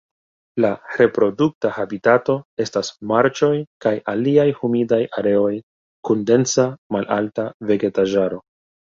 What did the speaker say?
La reprodukta habitato estas marĉoj kaj aliaj humidaj areoj kun densa malalta vegetaĵaro.